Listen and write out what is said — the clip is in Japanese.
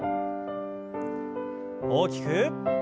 大きく。